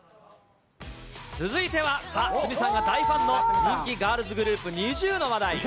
続いてはさあ、鷲見さんが大ファンの人気ガールズグループ、ＮｉｚｉＵの話題。